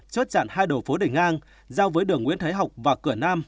chốt chặn hai đồ phố đỉnh ngang giao với đường nguyễn thái học và cửa nam